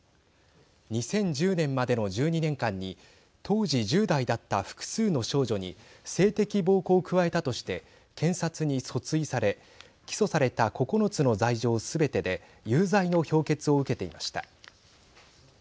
２０１０年までの１２年間に当時１０代だった複数の少女に性的暴行を加えたとして検察に訴追され起訴された９つの罪状すべてで有罪の評決を受けていました。